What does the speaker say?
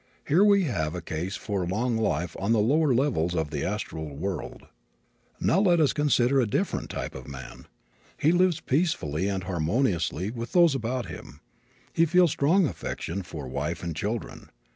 Here we have a case for long life on the lower levels of the astral world. Let us now consider a different type of man. He lives peacefully and harmoniously with those about him. He feels strong affection for wife and children.